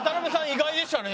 意外でしたね。